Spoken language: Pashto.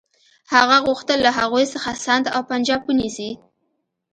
هغه غوښتل له هغوی څخه سند او پنجاب ونیسي.